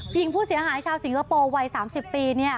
หญิงผู้เสียหายชาวสิงคโปร์วัย๓๐ปี